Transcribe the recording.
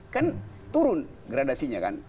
kan turun gradasinya kan